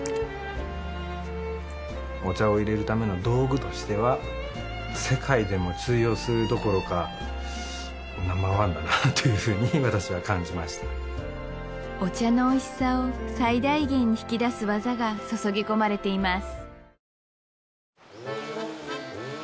お茶を入れるための道具としては世界でも通用するどころかナンバーワンだなというふうに私は感じましたお茶のおいしさを最大限に引き出す技が注ぎ込まれています